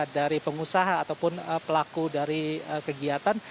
dari pengusaha ataupun pelaku dari kegiatan